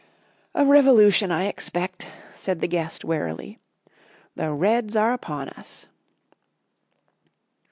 "A revolution, I expect," said the guest wearily. "The Reds are upon us."